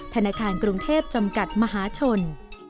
ธนาคารกรุงเทพจำกัดมหาชน